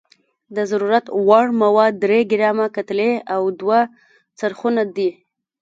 د ضرورت وړ مواد درې ګرامه کتلې او دوه څرخونه دي.